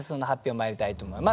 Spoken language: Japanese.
まいりたいと思います。